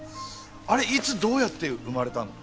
あれいつどうやって生まれたの？